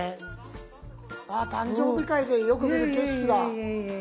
あ誕生日会でよく見る景色だ。